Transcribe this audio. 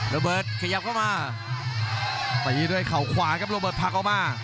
ระเบิดขยับเข้ามาตีด้วยเข่าขวาครับโรเบิร์ตผลักออกมา